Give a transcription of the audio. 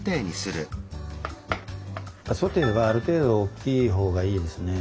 ソテーはある程度大きい方がいいですね。